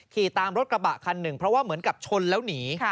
ขี่ตามรถกระบะคันหนึ่งเพราะว่าเหมือนกับชนแล้วหนี